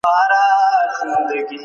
سلیم فطرت د انسان لارښود دی.